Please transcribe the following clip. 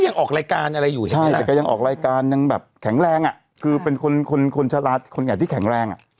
เนี่ยคือเป็นคนชาลักษณ์คนไกลที่แข็งแรง